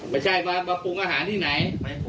ไม่ใช่เอามาปลูกอาหารในไหน